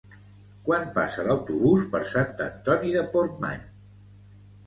Quan passa l'autobús per Sant Antoni de Portmany?